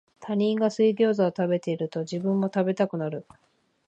他人が水ギョウザを食べてると、自分も食べたくなる